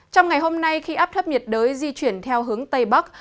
trong ngày hôm nay khi áp thấp nhiệt đới di chuyển theo hướng tây bắc